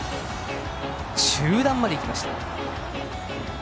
中段までいきました。